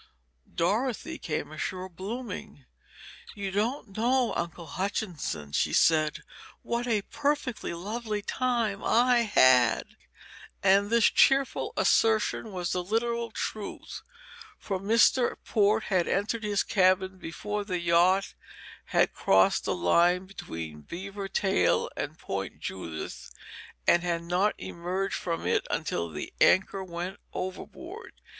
Dorothy came ashore blooming. "You don't know, Uncle Hutchinson," she said, "what a perfectly lovely time I've had" and this cheerful assertion was the literal truth, for Mr. Port had entered his cabin before the yacht had crossed the line between Beaver Tail and Point Judith, and had not emerged from it until the anchor went overboard.